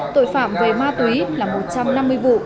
tội phạm về ma túy là một trăm năm mươi vụ